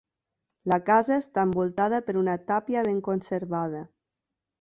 La casa està envoltada per una tàpia ben conservada.